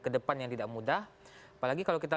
kedepan yang tidak mudah apalagi kalau kita